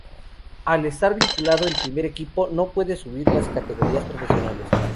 Al estar vinculado al primer equipo no puede subir a las categorías profesionales.